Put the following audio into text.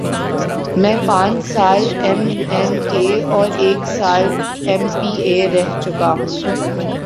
میں پانچ سال ایم این اے اور ایک سال ایم پی اے رہ چکا ہوں۔